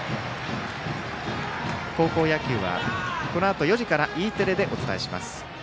高校野球は、このあと４時からＥテレでお伝えします。